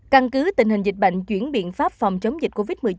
căn cứ tình hình dịch bệnh chuyển biện pháp phòng chống dịch covid một mươi chín